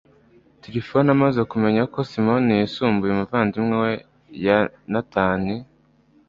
tirifoni amaze kumenya ko simoni yasimbuye umuvandimwe we yonatani